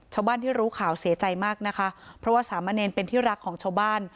ชาวบ้านที่รู้ข่าวเสียใจมากนะคะเพราะว่าสามะเนรเป็นที่รักของชาวบ้าน